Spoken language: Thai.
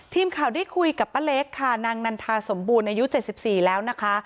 ทีมข่าวได้คุยกับป้าเล็กค่ะนางนันทาสมบูรณ์อายุ๗๔แล้วนะคะ